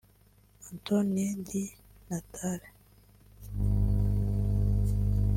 Antonio Di Natale